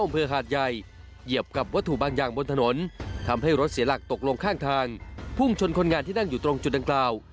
พุ่งชนคนงานที่นั่งอยู่ตรงจุดดังกล่าว